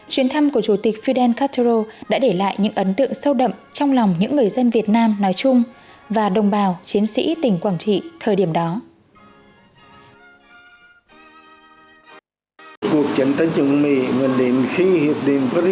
chuyến thăm của chủ tịch fidel castro đến đường chín và đến khu chính phủ cách mạng lâm thời cộng hòa miền nam việt nam